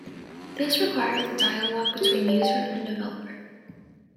This requires the dialogue between user and developer.